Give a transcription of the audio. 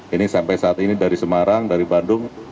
ini sampai saat ini dari semarang dari bandung